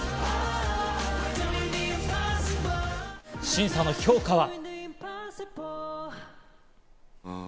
審査の評価は。